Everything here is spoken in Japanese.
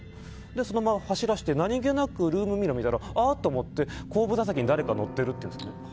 そのまま走らせて何気なくルームミラーを見てアッと思って後部座席に誰か乗っているっていうんですね。